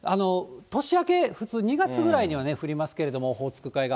年明け、普通２月ぐらいには降りますけれども、オホーツク海側。